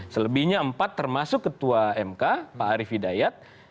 selebihnya empat termasuk ketua mk pak arief hidayat